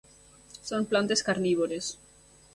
Són plantes carnívores.